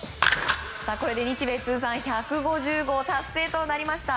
これで日米通算１５０号達成となりました。